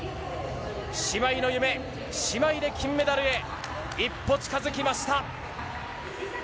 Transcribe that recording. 姉妹の夢、姉妹で金メダルへ、一歩近づきました。